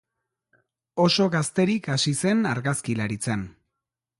Oso gazterik hasi zen argazkilaritzan.